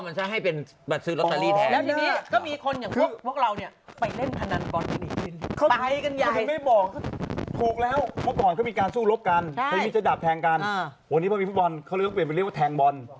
มันจะให้เป็นแบบซื้อร็อตเตอรี่แทน